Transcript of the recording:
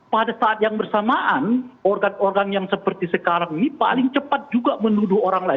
pada saat yang bersamaan organ organ yang seperti sekarang ini paling cepat juga menuduh orang lain